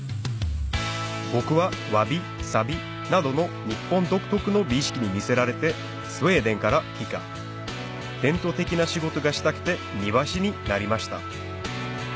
僕はわびさびなどの日本独特の美意識に魅せられてスウェーデンから帰化伝統的な仕事がしたくて庭師になりました